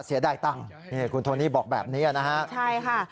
ผมเสียได้ตังค์คุณโทนี่บอกแบบนี้ใช่ค่ะ